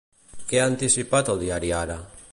Què ha anticipat el diari Ara?